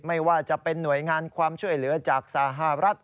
ไม่ว่าจะเป็นหน่วยงานความช่วยเหลือจากสหรัฐ